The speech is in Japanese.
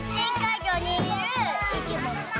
いぎょにいるいきもの。